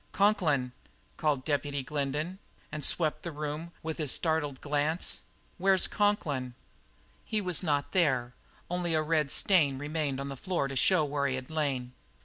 "Conklin?" called Deputy Glendin, and swept the room with his startled glance. "Where's Conklin?" He was not there; only a red stain remained on the floor to show where he had lain.